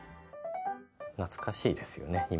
懐かしいですよね